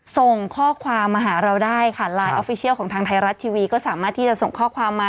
ส่งข้อความมาหาเราได้ค่ะของทางไทยรัฐทีวีก็สามารถที่จะส่งข้อความมา